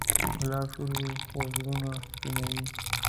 ګلاب سور وي، خو زړونه سپینوي.